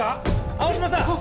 青嶌さん！